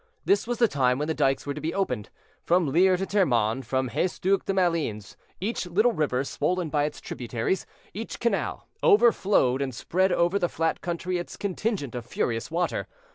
This was the time when the dykes were to be opened. From Lier to Termonde, from Haesdouk to Malines—each little river, swollen by its tributaries—each canal overflowed, and spread over the flat country its contingent of furious water.